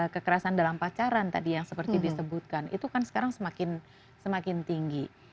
kekerasan dalam pacaran tadi yang seperti disebutkan itu kan sekarang semakin tinggi